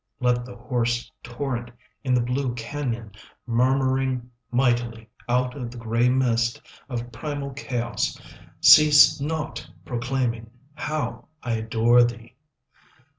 Let the hoarse torrent In the blue canyon, Murmuring mightily 10 Out of the grey mist Of primal chaos, Cease not proclaiming How I adore thee.